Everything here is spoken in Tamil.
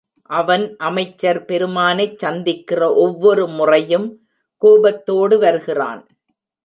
அவன் அமைச்சர் பெருமானைச் சந்திக்கிற ஒவ்வொரு முறையும் கோபத்தோடு வருகிறான்.